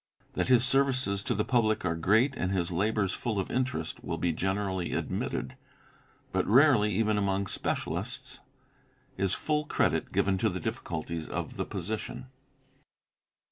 That his services to the public are great and his labours full of interest will be generally admitted, but rarely, even among specialists, is full credit given to the difficulties of the position.